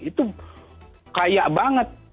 itu kaya banget